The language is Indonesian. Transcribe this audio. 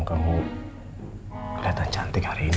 kamu kelihatan cantik hari ini